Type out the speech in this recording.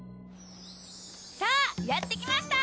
さぁやって来ました